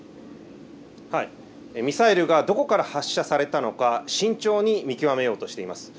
ミサイルがどこから発射されたのか慎重に見極めようとしています。